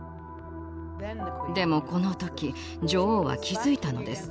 でもこの時女王は気付いたのです。